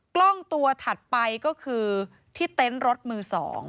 กล้องตัวถัดไปก็คือที่เต็นต์รถมือ๒